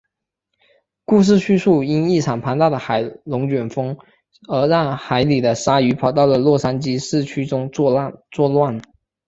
故事叙述因一场庞大的海龙卷风而让海里的鲨鱼跑到了洛杉矶市区中作乱。